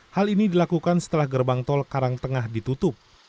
hal ini dilakukan setelah gerbang tol karangtengah ditutup